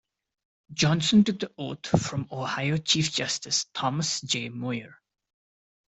Johnson took the oath from Ohio Chief Justice Thomas J. Moyer.